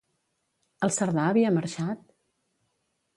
El Cerdà havia marxat?